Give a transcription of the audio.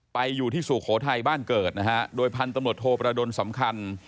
ไปอยู่ที่สุโขทัยบ้านเกิดนะฮะโดยพันธุ์ตำรวจโทประดนสำคัญ